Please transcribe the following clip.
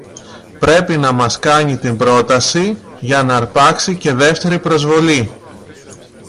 Πρέπει να μας κάνει την πρόταση, για ν' αρπάξει και δεύτερη προσβολή!